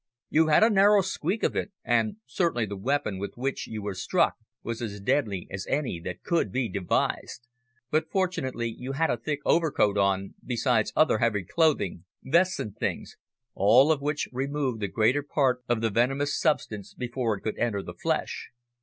You've had a narrow squeak of it, and certainly the weapon with which you were struck was as deadly as any that could be devised, but, fortunately, you had a thick overcoat on, besides other heavy clothing, vests and things, all of which removed the greater part of the venomous substance before it could enter the flesh.